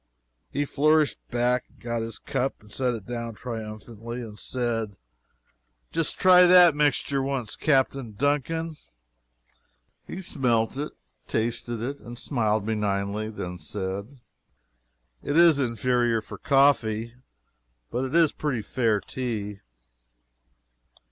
He flourished back and got his cup and set it down triumphantly, and said: "Just try that mixture once, Captain Duncan." He smelt it tasted it smiled benignantly then said: "It is inferior for coffee but it is pretty fair tea."